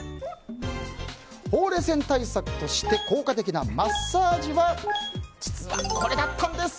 ほうれい線対策として効果的なマッサージは実はこれだったんです。